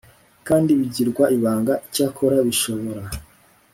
kandi bigirwa ibanga Icyakora bishobora